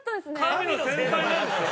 神の先輩なんですよ！